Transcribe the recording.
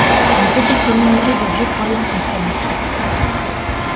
Une petite communauté de Vieux-Croyants s'installe ici.